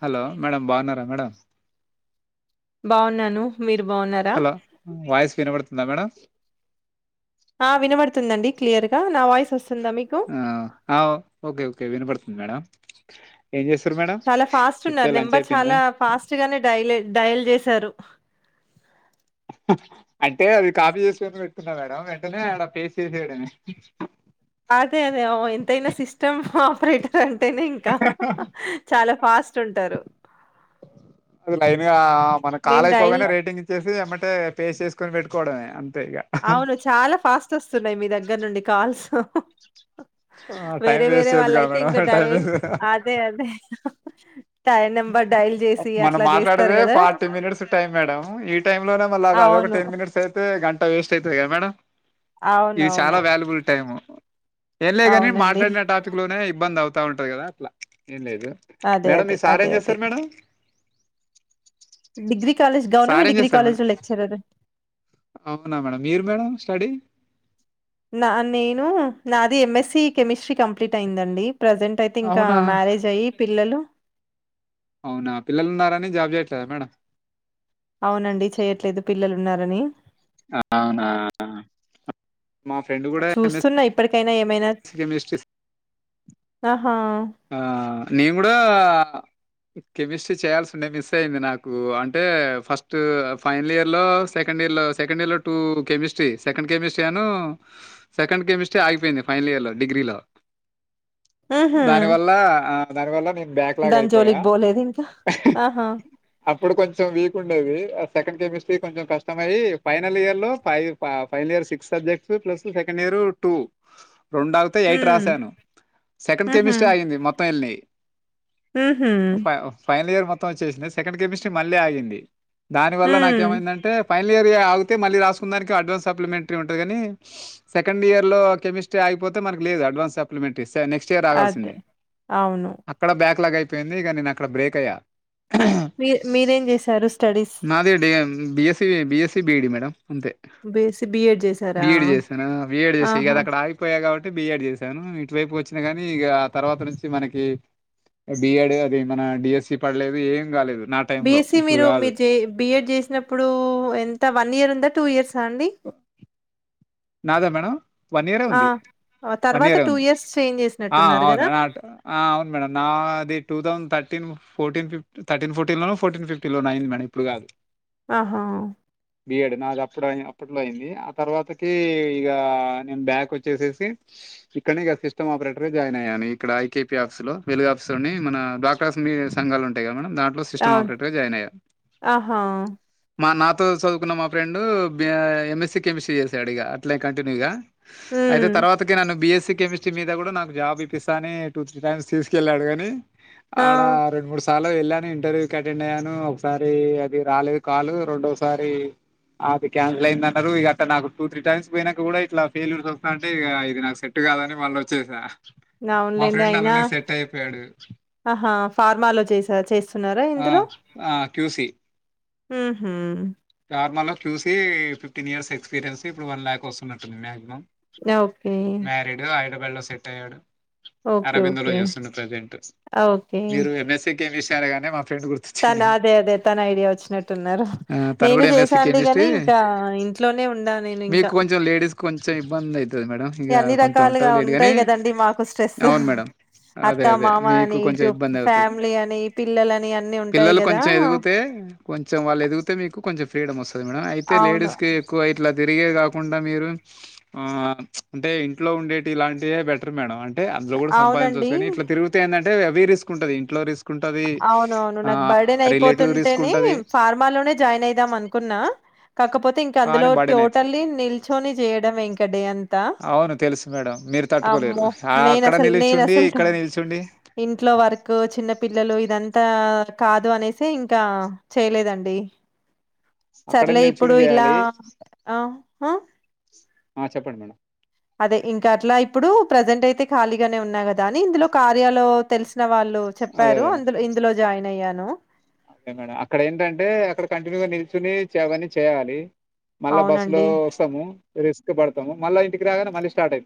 Hello madam బాగున్నారా madam బాగున్నాను మీరు బాగున్నారా హలో వాయిస్ వినబడుతుందా మేడం ఆ వినబడుతుందండి క్లియర్గా నా వాయిస్ వస్త ఆ ఓకే ఓకే వినపడుతుంది మేడం ఏం చేస్తారు మేడం చాలా ఫాస్ట్ ఇప్పుడే ఉన్నారు లంచ్ నెంబర్ అయిపోయిందా చాలా ఫాస్ట్ గానే డైలట్ డయల్ చేశారు అంటే అది కాపీ చేసుకొని పెట్టున్నా మేడం వెంటనే ఆడ పేసి తీసడనే అదే అదే అఓ ఎంతైనా సిస్టమ్ ఆపరేట్ అంటేనే ఇంకా చాలా ఫాస్ట్ ఉంటారు అది లైన్ గా మన మేం డైల్ కాలయిపోగానే రేటింగ్ ఇచ్చేసి ఏమంటే పే చేసుకుని పెట్టు కొడమే అవును చాలా ఫాస్ట్ వస్తున్నాయి మీ దగ్గర నుండి కాల్స్ టైం వేరే వేరే వేస్ట్ చేయొద్దుగా వాళ్ళయితే ఇంకా మేడం డై టైం అదే అదే నంబర్ డైల్ చేసి మనం అట్లా చేస్తారు మాట్లాడేదే కదా ఫార్టీ మినిట్స్ టైమ్ మేడం ఈ టైము లోనే మలాగా అద ఒక అవును టెన్ మినిట్స్ అయితే గంట వేస్ట్ అయితది కద మేడం ఇది చాలా అవునవును వాల్యుబుల్ టైమ్ ఏం లేదు కాని అవునండి మాట్లాడిన టాపిక్ లోనే ఇబ్బంది అవుతా ఉంటది కదా అట్లా ఏం లేదు అదే మేడం. అదే సార్ అదే ఏం అదే చేస్తారు madam. Degree college sir government ఏం డిగ్రీ చేస్తారు కాలేజ్ మేడం లో లెక్చరర్ అవునా మేడం మీరు మేడం స్టడీ నా నేను నాది ఎంఎస్సి కెమిస్ట్రీ కంప్లీట్ అయిందండి. ప్రజెంట్ అయితే ఇంకా అవునా మ్యారేజ్ అయ్యి పిల్లలు. అవునా పిల్లలు ఉన్నారాని జాబ్ చేయట్లేదా మేడం అవునండి చేయట్లేదు పిల్లలున్నారని అవునా చూస్తున్నా ఇప్పటికై కెమిస్ట్రి ఆహా ఆ నేను కూడా కెమిస్ట్రీ చేయాల్సి ఉండే మిస్ అయింది నాకు అంటే ఫస్ట్ ఫైనల్ ఇయర్ లో సెకండ్ సెకండ్ ఇయర్ లో సెకండ్ ఇయర్ లో టూ కెమిస్ట్రీ సెకండ్ కెమిస్ట్రీ అను సేకండ్ కెమిస్ట్రీ ఆగిపోయింది ఫైనల్ డిగ్రీ లో ఉహు దానివల్ల దానివల్ల నేను బ్యాక్లాగ్ దాని అయిపోయా. జోలికి పోలేదు ఇంకా ఆహా ఇప్పుడు కొంచెం వీక్ ఉండేది సెకండ్ కెమిస్ట్రీ కొంచెం కష్టమయ ఫైనల్ ఇయర్ లో final year six subject plus second year లో టూ రెండు ఆగితే ఎయిట్ ఉమ్ రాసాను సెకండ్ ఉహు కెమిస్ట్రీ అగింది మొత్తం వెళ్ళినయి ఉహు ఫ ఫైనల్ ఇయర్ మొత్తం వచ్చేసింది సెకండ్ కెమిస్ట్రీ మళ్ళీ ఆగింది. దాని వల్ల ఉమ్ నాకేమైందంటే ఫైనల్ ఇయర్ ఆగితే మళ్ళ రాసుకునికి అడ్వాన్స్ సప్లిమెంటరీ ఉంటుంది కానీ సెకండ్ ఇయర్లో కెమిస్ట్రీ అయిపోతేనకు లేదు అడ్వాస్ సప్లిమెంట్స్తే నెక్స్ట్ ఇయర్ అదే రాగాల్సిందంది అవును అక్కడ బ్యాక్ లాగ్ అయిపోయింది ఇక నేను అక్కడ బ్రేక్ అయ్యా మీ మీరేం చేశారు స్టడీస్ బిఎస్స బిఎస్సీ బిఈడి మేడం. అంతే బేసి బిఎడ్ చేసారా బిఎడ్ చేసానా బిఎడ్ చేసే కదా ఆహా అక్కడ ఆగిపోయా అంటే బిఆడ్ చేసాను ఇటు వైపు వచ్చినా కాని ఇగా తర్వాత నుంచి మనకి బిఎడ్ అది మన డిఎస్సి పడలేదు ఏం కాలేదు. నా టైం లో బిఎస్సీ ఇప్పుడు మీరు కాదు మీరు బిఎడ్ చేసినప్పుడు ఎంత వన్ ఇయర్ ఉందా టూ ఇయర్స్ అండి నాదా మేడం వన్ ఇయరే ఆ ఉంది ఆ వన్ తర్వాత ఇయరే టూ ఉంది ఇయర్స్ చేంజ్ ఆ చేసినట్టున్నారు అవును కదా అవును మేడం నా అది two thousand thirteen fourteen fifty thirteen forty లో ఫోటీన్ ఫిఫ్టీ లో అ మ ఇప్పుడు కాదు ఆహా బియడ్ నాకు అప్పుడుయి అప్పట్లో అయింది ఆ తర్వాత ఇ నేను బ్యాక్ వచ్చేసేసి ఇక్కడ ఇక సిస్టమ్ ఆపరేటర్ జాయిన్ అయ్యాను ఇక్కడ ఐకపీ ఆఫీస్ లో వెలుగు ఆఫీస్ లో మన డాక్ర సంఘాలు ఉంటాయి కద మ దాంట్లో సిస్టమ్ అవును ఆపరేటర్గా జాయిన్ అయ్యా ఆహా మా తో చదువుకున్న మా friend M S C chemistry చేసాడు ఇగా అట్లే కంటిన్యూగా. అయితే హ్మ్ తర్వాతకి నను బిఎస్సి కెమిస్ట్ర మీద కూడా నాకు జాబ్ ఇపిస్తాని టూ త్రీ టైమ్స్ తీసుకెళ్లాడు కాని ఆ ఆడ రెండు మూడు సలో వెళ్ళాను ఇంటర్వ్యూకి అటెండ్ అయ్యాను ఒకసారి అది రాలేదు కాలు రెండోసారి అది కాన్సిల్ అయిందంటారు ఎట్ట నాకు టూ త్రీ టైమ్స్ పోయినాక కూడా ఇట్లా ఫెల్యూర్స్ వస్తావుంటే ఇది నాకు సెట్ కాదని మళ్ళ వచ్చేసా మా అవునులేండి ఫ్రెండ్ అయినా అలానే సెట్ అయిపోయాడు ఆహా ఫార్మాలో చేసా చేస్తున్నారా ఆ ఆ క్యూసి ఉ హు ఫార్మాలో క్యూసి ఫిఫ్టీన్ ఇయర్స్ ఎక్స్పీరియన్స్ ఇప్పుడు వన్ ల్యాక్ వస్తున్నట్టుంది మాక్సిమం రో ఓకే మ్యారీడ్ హైదరాబాద్ లో సెట్ అయ్యాడు ఓకే అరబిందోలో ఓకే చేస్తుండు ప్రజెంట్ ఓకే మీరు ఎంఎస్సీ కెమి సరేగాని మ తన అదే అదే తన ఐడియా వచ్చినట్టున్నారు ఆ తను నేను కూడా ఎంఎస్సి చేశాండి కెమిస్ట్రీ కానీ ఇంకా ఇంట్లోనే ఉండా నేను మీకు ఇంకా కొంచెం లేడీస్ కొంచెం ఇబ్బంది అయితుది మేడం ఇగ అన్ని కొంత ఉంట రకాలుగా లేట్గాని ఉంటాయి కదండి మాకు స్ట్రెస్ అవును మేడం అదే అత్త అదే మామ మీకు అని కొంచెం ఇటు ఇబ్బంది అవుతది, ఫ్యామిలీ అని పిల్లలని అన్ని ఉంటాయి పిల్లలు కదా కొంచెం ఎదిగితే కొంచెం వాళ్ళు ఎదిగితే మీకు కొంచెం ఫ్రీడమ్ వస్తుంది మేడమ్ అయితే అవును లేడీస్ కి ఎక్కువ ఇ ఇలా తిరిగే కాకుండా మీరు ఆ అంటే ఇంట్లో ఉండేటి ఇలాంటిదే బెటర్ మేడం అం అంటే అందులో కూడా సంపాదించ వచ్చు అవునండి కాని ఇట్లా తిరుగితే ఎందంటే హెవీ రిస్క్ ఉంటది ఇంట్లో రిస్క్ ఉంటది అవునవును ఆ నాకు బర్డెన్ రిలేటివ్ రిస్క్ అయిపోతుంటేనే ఉంటది ఫార్మాలోనే జా జాయిన్ అయిదాం అనుకున్నా కాకపోతే ఇంక అందులో కానీ బర్డెన్ అయితది టోటల్లీ నిల్చొని చేయడం ఇంక డే అం అవును తెలుసు మేడం మీరు తట్టుకోలేరు అమ్మో ఆ నేను అక్కడ అసలు నేను నిల్చుండి అసలు ఇక్కడే నిల్చుండి ఇంట్లో వర్కు చిన్న పిల్లలు ఇదం ఇంతా కాదు అనేసి ఇంకా చేయలేదండి అక్కడ సర్లే ఇప్పుడు నిల్చుని ఇలా చేయాలి ఆ హా ఆ చెప్పండి మేడం ఇంకా అట్లా ఇప్పుడు ప్రజెంట్ అయితే ఖాళీగానే ఉన్నా కదా అని ఇందులో కార్యలో తెలిసిన వాళ్ళు అదే చెప్పారు అదే ఇందులో జాయిన్ అయ్యాను అదే మేడం అక్కడ ఏంటంటే అక్కడ కంటిన్యూగా నిల్చుని చేయడానికి చేయాలి మళ్ళా బస్సు లో అవునండి. వస్తాము రిస్క్ పడతాము మళ్ళా ఇంటికి రాగానే మళ్ళీ స్టార్ట్ అయిత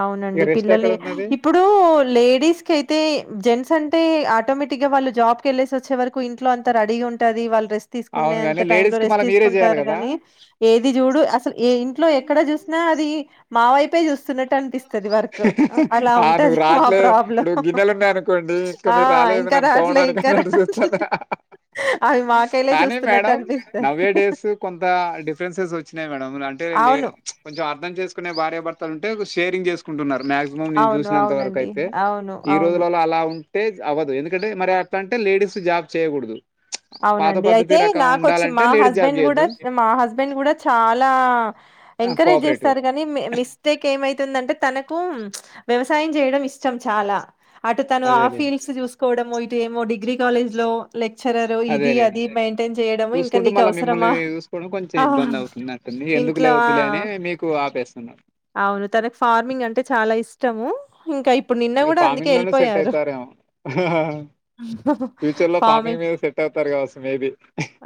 అవునండి పిల్లలు ఇప్పుడు లేడీస్ కి అయితే జెంట్స్ అంటే ఆటోమేటిక్ ఇక వాళ్ళు జాబ్ కెళ్ళసి వచ్చే వరకు ఇంట్లో అంత రడీగా ఉంటాది వాళ్ళు రెస్ట్ స్ట్ తీసుకునే అవును అంత గాని టైమ్ లో లేడీస్ కి రెస్ట్ మళ్ళ మీరే చేయాలి తీసుకుంటారు కదా కాని ఏది చూడు అసలు ఏ ఇంట్లో ఎక్కడ చూసిన అది మా వైపే చూస్తున్నట్ ఆ నువ్వు మా రాట్లే ఇప్పుడు ప్రాబ్లమ్. గిన్నెలు ఉన్నాయనుకోండి ఇంకా ఆ మీరు రాలేదు ఇంకా అన రాట్లే పోవడానికి ఇంకా వంట రాట్లే చేసుకోవాలా అవి మాకైలే కానీ చూస్తున్నట్టు మేడం అనిపిస్తా నౌ ఏ డేస్ కొంత డిఫరెన్సెస్ వచ్చి మేడం అంటే లే అవును కొంచెం అర్థం చేసుకునే భార్యభర్తలు ఉంటే షేరింగ్ చేసుకుంటున్నారు మాక్సిమం నేను అవును చూసినంత వరకు అవునండి అయితే అవును ఈ అవును రోజులలో అలా పేజ్ అవదు ఎందుకంటే మరి అట్లాంటే లేడీస్ జాబ్ చేయకూడదు పాత అవునండి పద్ధతి అయితే రకం నాకొచ్చి ఉండాలంటే మా లేడీస్ జాబ్ హస్బెండ్ కూడా చేయొద్దు మా హస్బెండ్ కూడా చాలా ఎంకరేజ్ కోఆపరేటివ్ చేస్తారు కానీ మిస్టేక్ ఏమైత్ ఏదంటే తనకు వ్యవసాయం చేయడం ఇష్టం చాలా అటు తను ఆ అదేలేండి ఫీల్డ్స్ చూసుకోవడం ఇటు ఏమో డిగ్రీ కాలేజ్ లో లెక్చరర్ ఇది అదేలేండి అది మెయింటైన్ చేయడము ఇంకా చూసుకుంటూ నీకు మళ్ళ మిమ్మల్ని అవసరమా చూసుకోవడం కొంచెం ఆ ఇబ్బంది అవుతుంది అటుంది ఎందుకు లే ఇంట్లో వద్దులే ఆ అని మీకు ఆపేస్తున్నారు అవును తనకు ఫార్మింగ్ అంటే చాలా ఇష్టము ఇంకా ఇప్ ఇక ఫార్మింగ్ లోనే సెట్ అయితారేమో... ఫ్యూచర్ లో ఫార్మింగ్ మీద సెట్ అవుతారు కావచ్చు మేబి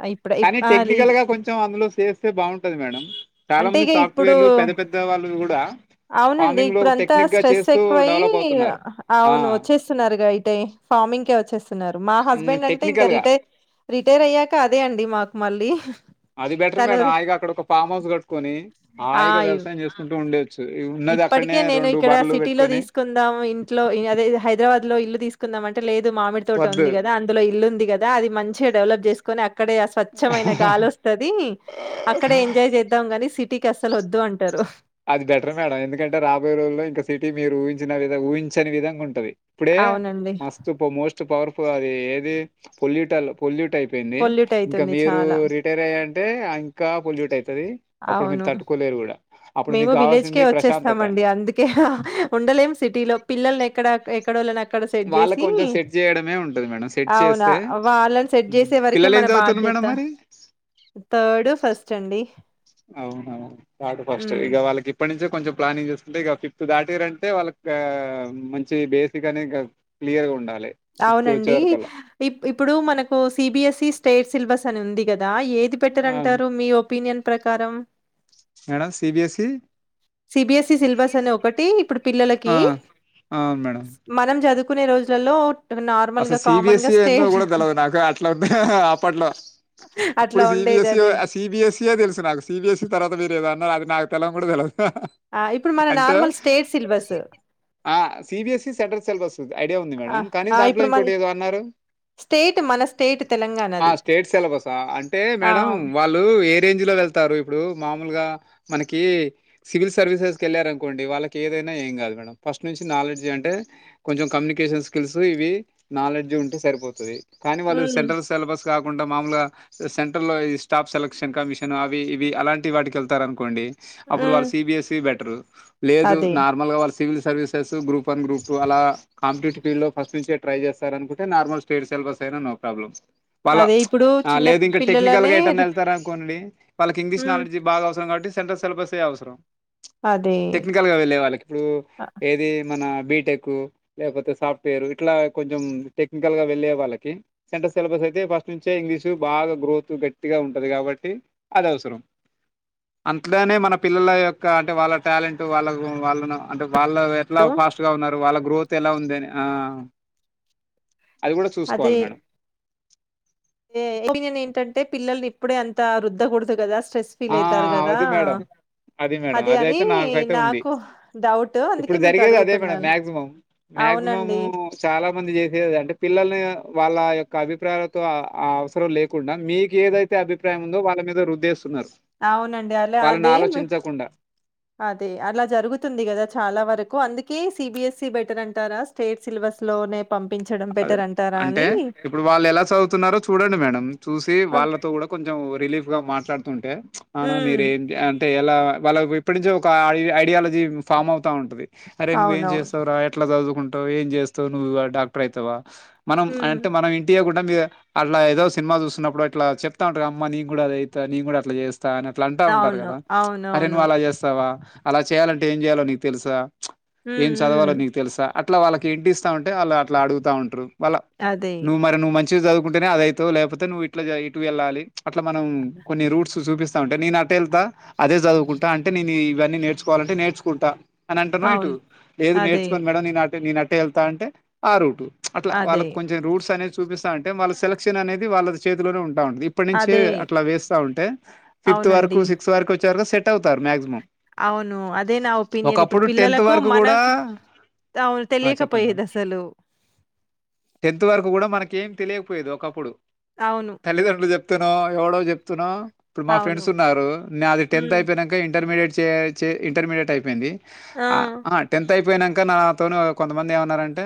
ఆహ్, ఇప్పుడు ఇప్ కానీ ఆహ్, టెక్నికల్ లీద్ గా కొంచెం అందులో చేస్తే బాగుంటది మేడం చాలా అంటే మంది ఇగ ఇప్పుడు సాఫ్ట్వేర్లు పెద్ద పెద్ద వాళ్ళు కూడా అవునండి. ఫార్మింగ్ లో ఒక ఇప్పుడంతా టెక్నిక్ గా స్ట్రెస్ చేస్తూ ఎక్కువయ్యి డెవలప్ అవు అవును వచ్చేస్తున్నారు గా ఇట్టే ఫార్మింగ్ కే వచ్చేస్తున్నారు మా హస్బెండ్ అంటే ఇంకా టెక్నికల్ గా రిటైర్ రిటైర్ అయ్యాక అదే అండి మాకు మళ్ళీ అది బెటర్ తను మేడం హాయిగ అక్కడ ఒక ఫార్మ్ హౌస్ కట్టుకొని ఆ! హాయిగా యు వ్యవసాయం చేసుకుంటూ ఉండేది ఇప్పటికే నేను ఇక్కడ సిటీలో పెట్టుకొని తీసుకుందాం ఇంట్లో అదే హైదరాబాద్ లో ఇల్లు తీసు తీసకుందాం అంటే లేదు మామిడి తోట వద్దు ఉంది కదా అందులో ఇల్లుంది కదా అది మంచిగా డెవలప్ చేసుకని అక్కడే ఆ స్వచ్ఛమైన గాలి వస్తాది అక్కడే ఎంజాయ్ చేద్దాం ఆనీ సిటీ అసలు వద్దు అంటారు అది బెటర్ మేడం ఎందుకంటే రాబోయే రోజుల్లో ఇంకా సిటీ మీరు ఊహించిన వి ఊహించని విధంగా ఉంటది ఇప్పుడే అవునండి. మస్తు మోస్ట్ పవర్ఫుల్ అది ఏది పొల్యూట్ పొల్యూట్ అయిపో అపోయింది పొల్యూట్ ఇంకా అయితుంది మీరు చాలా. రిటైర్ అయ్య అంటే ఇంకా పొల్యూట్ అయిపో తది అప్పుడు మీరు అవును. తట్టుకోలేరు కూడా మేము విలేజ్కే వచ్చేస్తామండి అందుకే ఉండలేం సిటీలో పిల్లల్ని ఎక్కడ వాళ్ళ కొంచెం సెట్ చేయడమే ఉంటది మేడం సెట్ అవునా! చేస్తే వాళ్ళని సెట్ జేసే వరకే పిల్లలు ఏం మన చదువుతన్నారు బాధ్యత. మరీ ఎడ మరి థర్డ్ ఫస్ట్ అండి అవునవును కాడు ఫస్ట్ హ్మ్. ఇక వాళ్ళకి ఇప్పటి నుంచి కొంచెం ప్లానింగ్ చేసుకుంటే ఇక ఫిఫ్త్ దాటిరంటే వాళ్ళకి మంచి బేసిక్ అని క్యర్గా ఉండాలి ఫిఫ్త్ వచ్చే అవునండి వరకల్లా ఇప్పుడు మనకు సిబిఎస్ఈ స్టేట్ సిలబస్ అని ఉంది కదా కదా ఏది అవును పెట్టరంటారు మీ ఒపీనియన్ ప్రకారం మేడం సిబిఎస్ఈ సిబిఎస్ఈ సిలబస్ అనే ఒకటి ఇప్పుడు పిల్లలకి ఆ అవును మేడం మనం చదువు కొన్ని రోజులలో నార్మల్‌గా అసలు కామన్‌గా సిబిఎస్ఈ ఎన్నో స్టేట్ కూడా తెలదు నాకు అట్లాంది అప్పట్లో అట్లా ఇప్పుడు ఉండేది సీబిఎస్స అది. సిబీఎస్సయే తెలుసు నాకు సిబీఎస్స తర్వాత మీరు ఏద అన్నారు అది నాకు తెల కూడా తెలియదు ఆ ఇప్పుడు మన నార్మల్ స్టేట్ సిలబస్ ఆ సిబిఎస్ఈ సెంట్రల్ సిలబస్ ఐడియా ఉంది ఆ! మేడంమ్ కానీ ఆ! దాంట్లో ఇప్పుడు మరి ఇంకోటి ఏదో అన్నారు స్టేట్ మన స్టేట్ ఆ తెలంగాణది. స్టేట్ సిలబసా అంటే ఆ! మేడం వాళ్ళు ఏ రేంజ్ లో వెళ్తారు ఇప్పుడు మామూలుగా మనకి సివిల్ సర్వీసెస్ వెళ్ళలారు అనుకోండి వాళ్ళకి ఏదైనా ఏం కాదు మేడం ఫస్ట్ నుంచి నాలెడ్జ్ అంటే కొంచెం కమ్యూనికేషన్ స్కిల్స్ ఇవి నాలెడ్జ్ ఉంటే సరిపోతుది కానీ వాళ్ళు హ్మ్. సెంట్రల్ సిలబస్ కాకుడా కుండా మామూగా సెంట్రల్ లో స్టాఫ్ సెలక్షన్ కమిషన్ అవి ఇవి అలాంటి వాటికి వెళ్తారు అనుకోండి అప్పుడు వాళ్ళ హ్మ్. సిబిఎస్సి బెటర్ లేదు అదే. నార్మల్ గా వాళ్ళు civil services group one group two అలా కాపిటేటివ్ ఫీల్డ్ లో ఫస్ట్ ను ట్రై చేస్తార అనుకుంటే నార్మల్ స్టేడ్ సెలబస్ అయినా నో ప్రాబ్లమ్ వాళ్ళ అదే ఇప్పుడు చిన్న లేదు ఇంకా టెక్నికల్ గా పిల్లలనే ఎట్న్నా వెళ్తారు అనుకోండి వాళ్ళకి ఇంగ్లీష్ హ్మ్. నాలెడ్జ్ బాగా అవసరం కాబట్టి సె సిలబ అవసరం అదే. టెక్నికల్ గా వెళ్ళే వాళ్ళకి ఇప్పుడు ఏది మన బీటెక్ లేకపోతే సాఫ్ట్వేర్ ఇట్లా కొంచెం టెక్నికల్ గా వెళ్లేే వాళ్ళకి సెంట్రల్ సిలబస్ అయితే ఫస్ట్ నుంచే ఇంగ్లీష్ బాగా గ్రోత్ గట్టిగా ఉంటది కాబట్టి అదివసరం అంతలోనే మన పిల్లల యొక్క అంటే వాళ్ళ టాలెంట్ వాళ్ళ వాళ్ళను అంటే వాళ్ళు ఎట్లా ఆ! ఫాస్ట్ గా ఉన్నారు వాళ్ళ గ్రోత్ ఎలా ఉందిని ఆ అది కూడా అదే చూసుకోవాలి మేడం ఒపీనియన్ ఏంటంటే పిల్లల్ని ఇప్పుడే అంత రుద్దకడదు కదా స్ట్రెస్ ఫీల్ ఆ అవుతారు కదా అది మేడం అది మేడం అదే అద అని అయితే నాకైతే ఉంది నాకు డౌట్ ఇప్పుడు అందుకే మీకు జరిగేది అదే మేడం అడుగుతున్నాను మాక్సిమం మాక్సిమము అవునండి చాలా మంది చేసేది అంటే పిల్లల్ని వాళ్ళ యొక్క అభిప్రాయాలతో అవసరం లేకుండా మీకు ఏదైతే అభిప్రాయం ఉందో వాళ్ళ మీద వుద్ధేస్తున్నారు అవునండి అలా అదే అదే అలా జరుగుతుంది కదా చాలా వరకు అందుకే సిబిఎస్ఈ బెటర్ అంటారా స్టేట్ సిలబస్ లోనే పంపించడం అదే బెటర్ అంటారా అంటే అని ఇప్పుడు వాళ్ళు ఎలా చదువుతున్నారో చూడండి మేడం చూసి ఉమ్ వాళ్ళతో కూడా కొంచెం రిలీఫ్ గా మాట్లాడుతుంటే అన మీర ఏం అంటే ఎలా వాళ్ళ ఇప్పటి నుంచో ఒక ఐడియాలజీ ఫామ్ అవుతా ఉంటది అరే నువ్ అవునవును చేస్తావురా ఎట్లా చదువుకుం ఏం చేస్తావు నువ్వు డాక్టర్ అయితవా మనం ఉమ్ అంటే మనం ఇంటియా కుడా మీద అట్లా ఏదో సినిమా చూస్తున్నప్పుడు అట్లా చెప్తా ఉంటారు అమ్మ నీ కూడా అది ఐత నెన్ కూడా అట్లా చేస్తా [unintelligible] అట్లా అంటా ఉంటారు అవును కదా అరే అవునవును నువ్వు అలా చేస్తావా అలా చేయాలంటే ఏం చేయాలో నీకు తెలుసా ఏం ఉమ్ ఉమ్ చదవాలో నీకు తెలుసా అట్లా వాళ్ళకి హింట్ ఇస్తా ఉంటే వాళ్ళ అట్లా అడుగుతా ఉంటారు వాళ్ళా అదే నువ్ మరి నువ్వు మంచి మంచిగా చదువుకుంటేనే అద అయితవ్ లేకపోతే నువ్వు ఇట్లా ఇటు వెళ్ళాలి అట్లా మనం కొన్ని రూట్స్ చూపిస్తా ఉంటే నేను ట్ట వెళ్తా అదే చదువుకుంటా అంటే నేను ఇవన్నీ నేర్చుకోవాలంటే నేర్చుకుంటా అని అంటాను ఇటు అవును లేదు అదే నేర్చుకొని మేడం నీ నేన అట్టే వెళ్తా అంటే ఆ రూటు అట్లా వాళ్ళ అదే కొ రూట్స్ అనేది చూపిస్తా అంటే వాళ్ళ సెలక్షన్ అనేది వాళ్ళ చేతిలోనే ఉంటుంది ఉ ఇప్పటి నుంచే అదే అట్లా వేస్తా ఉంటే ఫిఫ్త్ వరకు అవునండి సిక్స్త్ వరకు వచ్చారుగా సెట్ అవుతారు మాక్సిమం అవును అదే నా ఒపీనియన్ ఇప్పుడు ఒకప్పుడు టెన్త్ పిల్లలకు వరకు కూడా మనక ఆవు ఆ, చెప్పండి మేడం తెలియకపోయేది అసలు టెన్త్ వరకు కూడా మనక ఏం తెలియకపోయేది ఒకప్పుడు అవును. తల్లిదండ్రులు చెప్ చెప్తేనో ఎవడో చెప్తేనో ఇప్పుడు మా అవును. ఫ్రెండ్స్ ఉన్నారు నాదీ టెన్త్ హ్మ్. అయిపోయినాక ఇంటర్మీడియట్ చే చే ఇంటర్మీడియట్ అయిపోయింది ఆ ఆ టెన్త్ అయిపోయినాక ఇంకా నాతోన కొంతమంది ఏమన్నారంటే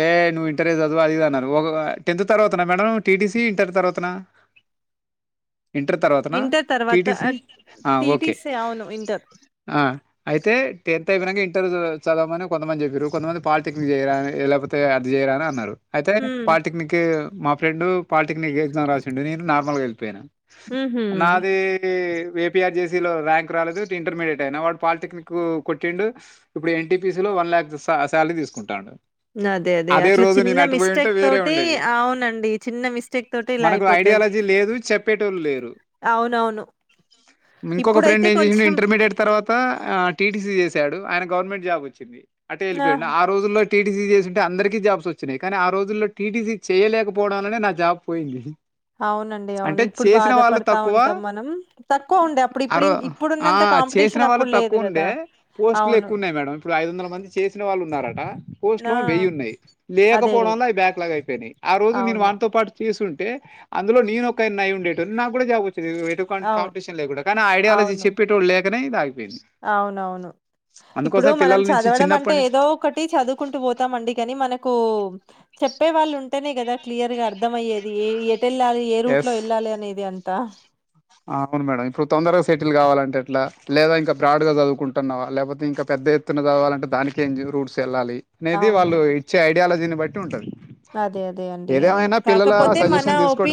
ఏ నువ్వు ఇంటర్ఆ చదువ అది ఇది అన్నారు ఒక టెన్త్ తర్వాత నా మేడం టీటీసి ఇంటర్ తర్వాతనా ఇంటర్ తర్వాతనా ఇంటర్ తర్వాత టిటిసి ఆహ్, ఆ ఓకే టీటీసీ అవును. ఇంటర్. ఆ అయితే టెన్త్ అయిపోనక ఇంటర్ చదామని కొంతమంది చెపిరు కొంతమంది పాలిటెక్నిక్ చేయరా అని లేకపోతే అది చేయరా అని అన్నారు అయితే హ్మ్. పాలిటెక్నిక్ మా ఫ్రెండు పాలిటెక్నిక్ ఎగ్జామ్ రాసిండు నేను నార్మల్గా వెళ్ళిపోయానా హుహు. నాది ఏపీపిఆర్ జేసీ లో ర్యాంక్ రాలేదు ఇంటర్మీడియట్ అయిన వాడు పాలిటెక్నిక్ కొట్టిండు ఇప్పుడు ఎన్టీపీసి లో వన్ ల్యాక్ సా శాలరీ తీసుకుంతాండు అదే అదే అట్లా చిన్న మిస్టేక్ వేరే తోటి ఉండేది. అవునండి చిన్న మిస్టేక్ తోటి ఇలా అయిపోత యాలజీ లేదు చెప్పేటోళు లేదు అవునవును ఇంకొక ఫ్రెండ్ ఇప్పుడైతే ఏం చేసిడు కొంచెం ఇంటర్మీడియట్ తర్వాత టీటీసీ చేసాడు ఆయన గవర్నమెంట్ జాబ్ వచ్చింది అటే వెళ్ళిపోయాడు ఆ రోజుల్లో టీ టి సి చేసు అంటే అందరికీ జాబ్స్ వచ్చినాయి కానీ ఆ రోజుల్లో టీటీసి చేయలేకపోవడం వలనే నా జాబ్ పోయింది అవునండి అంటే అవును ఇప్పుడు చేసిన బాధ వాళ్ళు పడుతా తక్కువ ఉంటాం మనం తక్కువ ఉండే అప్పుడు ఇప్పుడు ఇప్పుడున్నంత అ చేసిన కాంపిటీషన్ వాళ్ళు అప్పుడు లేదు తక్కువ గదా! ఉండే పోస్టులు అవును. ఎక్కువ ఉన్నాయి మేడం ఇప్పుడు ఐదు వందలు మంది చేసిన వాళ్ళు ఉన్నారట ట్లో ఆ! ఉన్నాయి అదే లేకపోవడం వల్ల అవి బ్యాక్ లాక్ అయిపోయినాయి ఆ రోజు నేను అవును వంతో పాటు చేసింటా టె అందులో నేను ఒక నై ఉండేటోనీ నాకు కూడా జాబ్ వ ఎటువంటి అవును కాంపిటీషన్ లేకుండా కానీ ఐడియాలజీ అవును చెప్పేటోడు లేకనే ఇది ఆగిపోయింది అవునవును ఇప్పుడు అందుకోసమే మనం పిల్లల నుంచి చదవడం అంటే చిన్నప్పటి నుంచి ఏదో ఒకటి చదువుకుంటూ పోతు తం అండి కానీ మనకు చెప్పే వాళ్ళు ఉంటేనే కదా క్లియర్ గా అర్థమయ్యేది ఏది ఎ వెళ్ళాలి ఏ రూట్ లో ఎస్ వెళ్ళాలి అనేది అంత అవును మేడంమ్ ఇప్పుడు తొందరగా సెటిల్ కావాలంటే ఎట్లా లేదా ఇంకా బ్రాడ్ గా చదువుకుంటున్నావా లేకపోతే ఇంకా పెద్ద ఎత్తున కావాలంటే దానికి ఏం రూట్స్ వెళ్ళాలి అనేది అవును వాళ్ళు ఇచ్చే ఐడియాలజీని బట్టి ఉంటది అదే అదే అండి అవును ఏదేమైనా పిల్లల కాకపోతే మన సజెషన్ తీసుకోం ఒపి